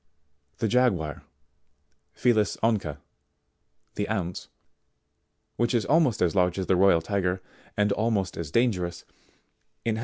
75. The Jaguar, Felis Onca, (the Ounce,) which is almost sfs large as the Royal Tiger, and almost as dangerous, inhabits 72.